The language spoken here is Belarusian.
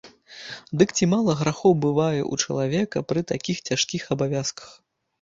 Ды ці мала грахоў бывае ў чалавека пры такіх цяжкіх абавязках?